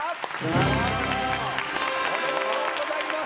ありがとうございます。